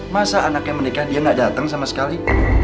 masa anaknya menikah dia gak datang sama sekali